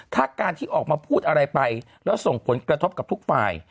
ถ้าการที่ออกมาพูดอะไรไปแล้วส่งผลกระทบกับทุกฝ่าย